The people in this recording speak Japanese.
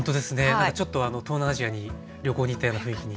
なんかちょっと東南アジアに旅行に行ったような雰囲気に。